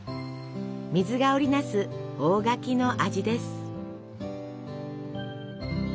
水が織り成す大垣の味です。